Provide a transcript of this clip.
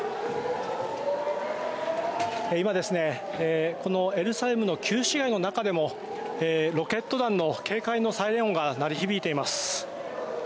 今エルサレムの旧市街の中でもロケット弾の警戒のサイレン音が鳴り響いています。